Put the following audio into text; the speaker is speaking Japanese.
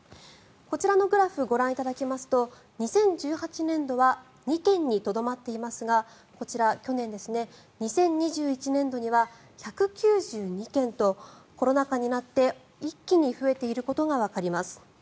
こちらのグラフご覧いただきますと２０１８年度は２件にとどまっていますがこちら、去年ですね２０２１年度には１９２件とコロナ禍になって一気に増えていることがわかります。